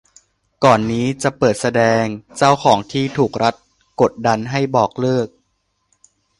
ก่อนนี้จะเปิดแสดง เจ้าของที่ถูกรัฐกดดันให้บอกเลิก